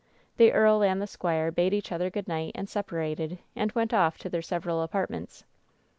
The earl and the squire bade each other good night and separated, and went off to their several apartments.